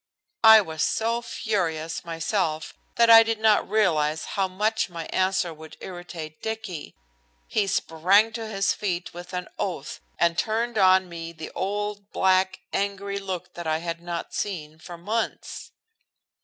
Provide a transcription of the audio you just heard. I was so furious myself that I did not realize how much my answer would irritate Dicky. He sprang to his feet with an oath and turned on me the old, black angry look that I had not seen for months.